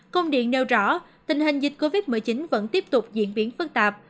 công điện nêu rõ tình hình dịch covid một mươi chín vẫn tiếp tục diễn biến phức tạp